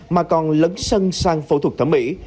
mà còn lấn sân sang phẫu thuật thẩm mỹ